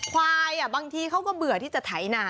ควายอ่ะบางทีเขาก็เบื่อที่จะไถนา